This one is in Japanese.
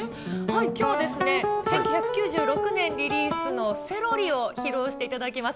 きょうはですね、１９９６年リリースのセロリを披露していただきます。